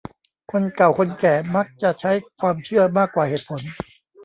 คนเก่าคนแก่มักจะใช้ความเชื่อมากกว่าเหตุผล